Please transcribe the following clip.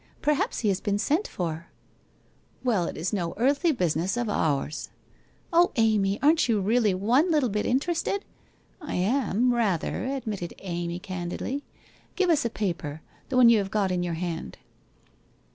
Perhaps he has been sent for ?'' Well, it is no earthly business of ours.' ' Oh, Amy, aren't you really one little bit interested ?'* I am, rather,' admitted Amy candidly. ' Give us a paper — the one you have got in your hand.'